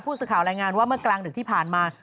เมื่อกลางถึงที่ผ่านมา